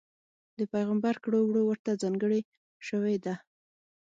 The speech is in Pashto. د پېغمبر کړو وړوته ځانګړې شوې ده.